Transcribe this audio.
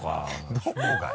どこがよ？